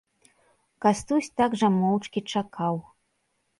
Кастусь так жа моўчкі чакаў.